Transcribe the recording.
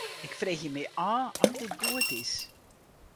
Ik freegje my ôf oft dit goed is.